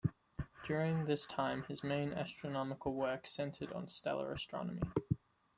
During this time his main astronomical work centered on stellar astronomy.